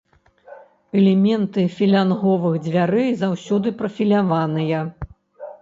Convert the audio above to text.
Элементы філянговых дзвярэй заўсёды прафіляваныя.